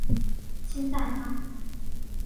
清代画家。